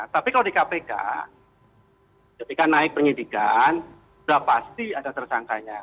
tapi kalau di kpk ketika naik penyidikan sudah pasti ada tersangkanya